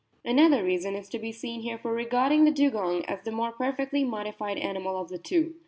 Another reason is to be seen here for regarding the Dugong as the more perfectly modified animal of the two.